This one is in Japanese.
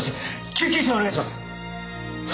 救急車お願いします。